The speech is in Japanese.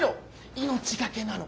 命懸けなの！